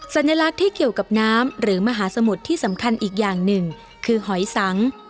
สัญลักษณ์ที่เกี่ยวกับน้ำหรือมหาสมุทรที่สำคัญอีกอย่างหนึ่งคือหอยสัง